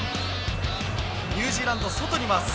ニュージーランド、外に回す。